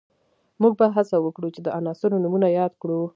موږ به هڅه وکړو چې د عناصرو نومونه یاد کړو